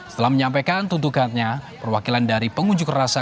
setelah menyampaikan tuntutannya perwakilan dari pengunjuk rasa